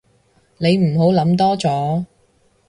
你唔好諗多咗